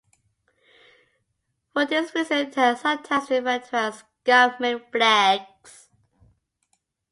For this reason they are sometimes referred to as "government flags".